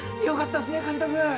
よかったっすね監督。